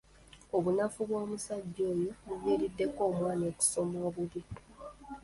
Obunafu bw'omusajja oyo buviiriddeko omwana okusoma obubi.